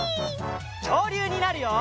きょうりゅうになるよ！